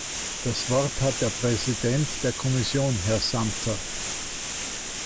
Das Wort hat der Präsident der Kommission, Herr Santer.